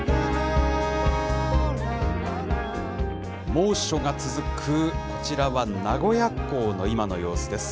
猛暑が続くこちらは名古屋港の今の様子です。